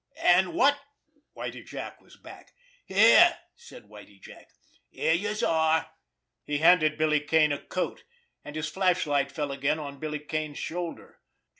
And what—— Whitie Jack was back. "Here!" said Whitie Jack. "Here youse are!" He handed Billy Kane a coat, and his flashlight fell again on Billy Kane's shoulder.